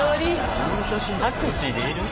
タクシーで要る？